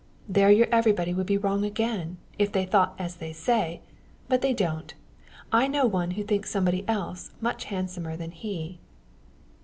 "There your everybody would be wrong again if they thought as they say. But they don't. I know one who thinks somebody else much handsomer than he."